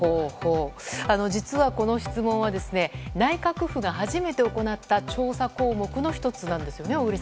実は、この質問は内閣府が初めて行った調査項目の１つなんです。